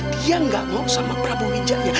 dia gak mau sama prabowo wijaya